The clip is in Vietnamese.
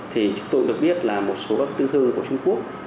thì chúng tôi cũng được biết là một số các tư thư của trung quốc